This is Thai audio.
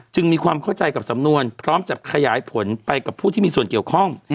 มีความเข้าใจกับสำนวนพร้อมจะขยายผลไปกับผู้ที่มีส่วนเกี่ยวข้อง